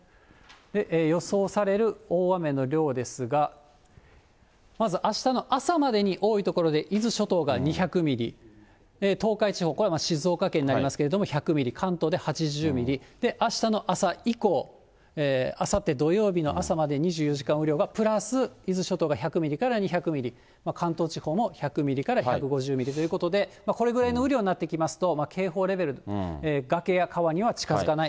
予想される大雨の量ですが、まずあしたの朝までに、多い所で伊豆諸島が２００ミリ、東海地方、これは静岡県になりますけれども、１００ミリ、関東で８０ミリ、あしたの朝以降、あさって土曜日の朝まで２４時間雨量がプラス伊豆諸島が１００ミリから２００ミリ、関東地方も１００ミリから１５０ミリということで、これぐらいの雨量になってきますと、警報レベル、崖や川には近づかない。